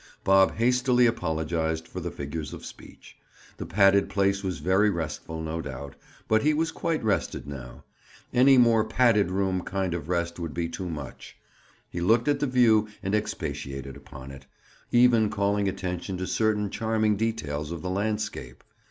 Bob hastily apologized for the figures of speech. The padded place was very restful, no doubt, but he was quite rested now. Any more padded room kind of rest would be too much. He looked at the view and expatiated upon it, even calling attention to certain charming details of the landscape.